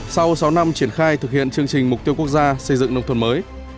sau sáu năm triển khai thực hiện chương trình mục tiêu quốc gia xây dựng nông thôn mới